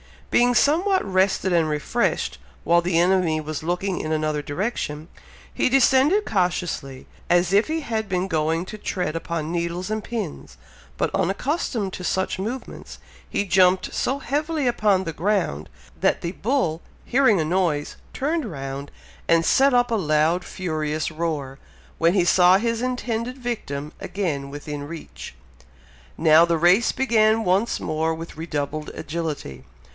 Being somewhat rested and refreshed, while the enemy was looking in another direction, he descended cautiously, as if he had been going to tread upon needles and pins; but, unaccustomed to such movements, he jumped so heavily upon the ground, that the bull hearing a noise, turned round, and set up a loud furious roar, when he saw his intended victim again within reach. Now the race began once more with redoubled agility!